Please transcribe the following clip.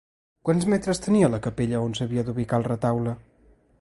Quants metres tenia la capella on s'havia d'ubicar el retaule?